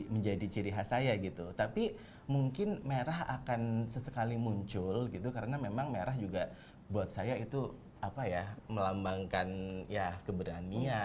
menjadi ciri khas saya gitu tapi mungkin merah akan sesekali muncul gitu karena memang merah juga buat saya itu apa ya melambangkan ya keberanian